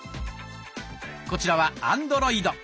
こちらはアンドロイド。